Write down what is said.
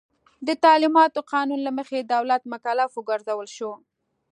د تعلیماتو قانون له مخې دولت مکلف وګرځول شو.